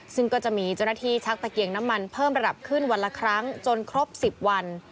ซึ่งก็จะมีเจ้าหน้าที่ชักตะเกียงน้ำมันเพิ่มระดับขึ้นวันละครั้งจนครบ๑๐วัน